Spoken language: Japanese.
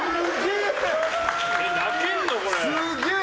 すげえ！